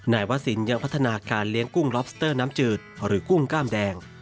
นายวศีลยังพัฒนาการเลี้ยงกุ้งลอบสเออส์เตอร์น้ำจืดหรือกุ้งก้ามแดง